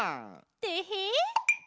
てへ！